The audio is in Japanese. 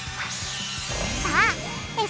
さあ！